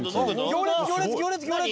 行列行列行列行列！